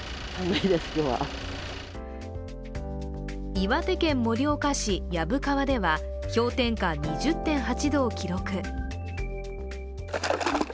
岩手県盛岡市薮川では氷点下２０．８度を記録。